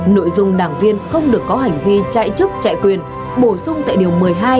nội dung đảng viên không được có hành vi chạy chức chạy quyền bổ sung tại điều một mươi hai